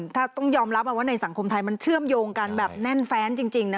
ถ้าต้องยอมรับว่าในสังคมไทยมันเชื่อมโยงกันแบบแน่นแฟนจริงนะ